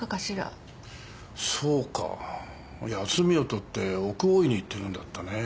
そうか休みを取って奥大井に行ってるんだったね。